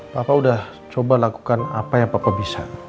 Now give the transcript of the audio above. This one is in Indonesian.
pa pa udah coba lakukan apa yang pa bisa